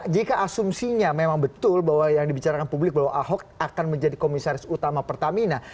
jika asumsinya memang betul bahwa yang dibicarakan publik bahwa ahok akan menjadi komisaris utama pertamina